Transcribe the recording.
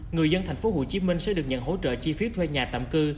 người dân tp hcm sẽ được nhận hỗ trợ chi phí thuê nhà tạm cư